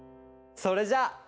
それじゃあ！